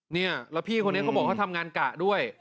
เนี่ยแล้วพี่คนนี้เขาบอกเขาทำงานกะด้วย